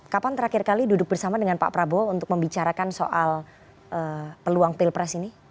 kapan terakhir kali duduk bersama dengan pak prabowo untuk membicarakan soal peluang pilpres ini